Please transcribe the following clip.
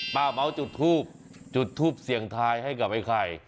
เมาส์จุดทูบจุดทูปเสี่ยงทายให้กับไอ้ไข่